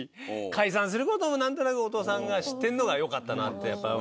解散することも何となくお父さんが知ってるのがよかった。